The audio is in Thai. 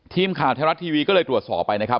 ทีมข่าวไทยรัฐทีวีก็เลยตรวจสอบไปนะครับ